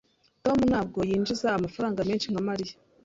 Tom ntabwo yinjiza amafaranga menshi nka Mariya.